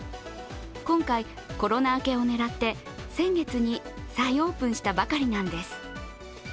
今回コロナ明けを狙って先月に再オープンしたばかりなんです。